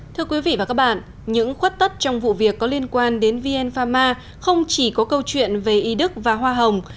thưa quý vị và các bạn những khuất tất trong vụ việc có liên quan đến vn pharma không chỉ có câu chuyện về y đức và hoa hồng